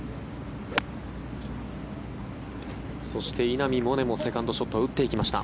そして、稲見萌寧もセカンドショットを打っていきました。